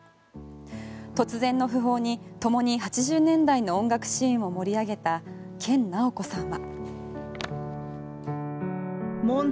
突然の訃報にともに８０年代の音楽シーンを盛り上げた研ナオコさんは。